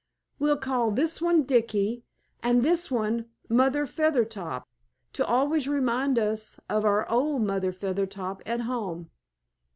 "We'll call this one Dicky, and this one Mother Feathertop, to always remind us of our old Mother Feathertop at home."